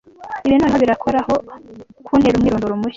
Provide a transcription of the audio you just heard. Ibi noneho birakoraho? kuntera umwirondoro mushya,